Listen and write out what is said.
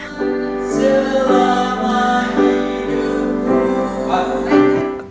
selama hidup kuat